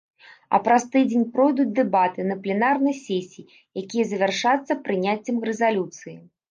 А праз тыдзень пройдуць дэбаты на пленарнай сесіі, якія завершацца прыняццем рэзалюцыі.